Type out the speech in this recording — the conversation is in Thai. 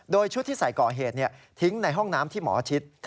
โดยชุดที่ใส่ก่อเหตุทิ้งในห้องน้ำที่หมอชิด